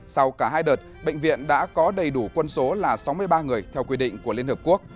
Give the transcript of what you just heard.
sau cả hai đợt bệnh viện đã có đầy đủ quân số là sáu mươi ba người theo quy định của liên hợp quốc